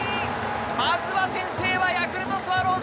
まずは先制はヤクルトスワローズ